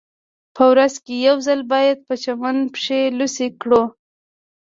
په ورځ کې یو ځل باید په چمن پښې لوڅې کړو